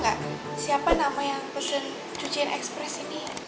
enggak siapa nama yang pesen cucian ekspres ini